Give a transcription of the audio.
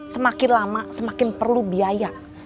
semakin lama semakin perlu biaya